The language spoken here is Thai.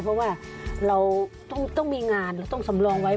เพราะว่าเราต้องมีงานเราต้องสำรองไว้